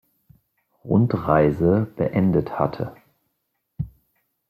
Rundreise beendet hatte.